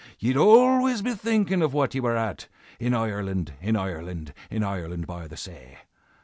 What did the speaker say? Ye'd always be thinkin' of what ye were at, In Ireland, in Ireland, In Ireland by the say.